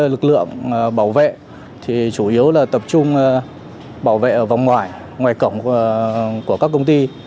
lực lượng bảo vệ thì chủ yếu là tập trung bảo vệ ở vòng ngoài ngoài cổng của các công ty